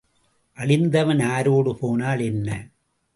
அழிந்தவன் ஆரோடு போனால் என்ன?